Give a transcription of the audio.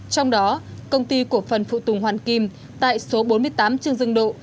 trong đó công ty của phần phụ tùng hoàn kim tại số bốn mươi tám trường dương độ